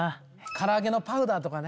唐揚のパウダーとかね。